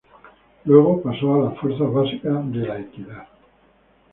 Luego, pasó a las fuerzas básicas de La Equidad.